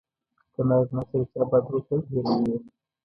که نارینه سره چا بد وکړل هیروي یې.